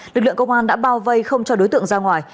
lực lượng công an đã bao vây không cho đối tượng ra ngoài